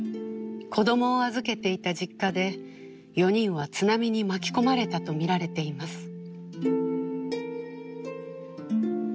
子どもを預けていた実家で４人は津波に巻き込まれたとみられています。